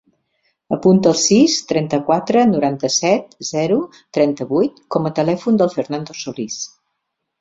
Apunta el sis, trenta-quatre, noranta-set, zero, trenta-vuit com a telèfon del Fernando Solis.